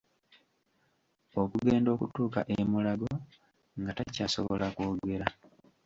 Okugenda okutuuka e Mulago nga takyasobola kwogera!